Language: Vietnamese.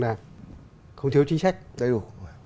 là không thiếu chính sách đầy đủ